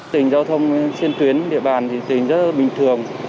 tình giao thông trên tuyến địa bàn thì tỉnh rất bình thường